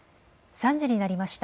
３時になりました。